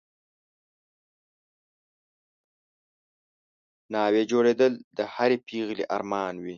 ناوې جوړېدل د هرې پېغلې ارمان وي